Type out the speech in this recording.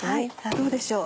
どうでしょう？